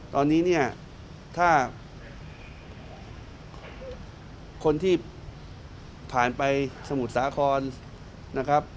ตอนนี้เนี่ยถ้าคนที่ผ่านไปสมุทรสาครนะครับ